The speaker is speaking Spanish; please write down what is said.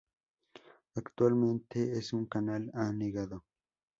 Actualmente es un canal anegado.